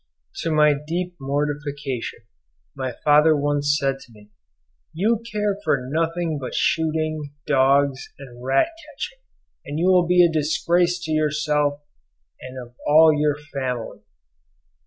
To my deep mortification my father once said to me, "You care for nothing but shooting, dogs, and rat catching, and you will be a disgrace to yourself and all your family."